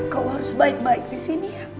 kau harus baik baik di sini